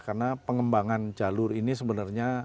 karena pengembangan jalur ini sebenarnya